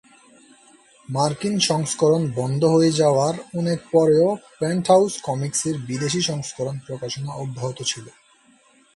মার্কিন সংস্করণ বন্ধ হয়ে যাওয়ার অনেক পরেও "পেন্টহাউস কমিক্সের" বিদেশী সংস্করণ প্রকাশনা অব্যাহত ছিল।